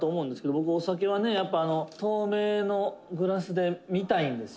僕、お酒はね、透明のグラスで見たいんですよね」